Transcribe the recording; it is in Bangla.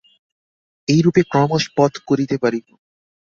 এইরূপে ক্রমশ পথ করিতে পারিব।